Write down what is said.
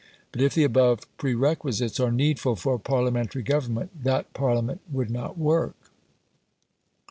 But if the above prerequisites are needful for Parliamentary government, that Parliament would not work.